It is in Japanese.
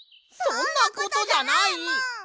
そんなことじゃないもん！